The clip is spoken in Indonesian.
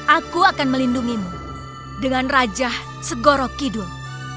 aku akan melindungimu dengan raja segorok kidul